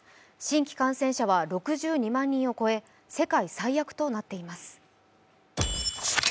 新規感染者は６２万人を超え世界最悪となっています。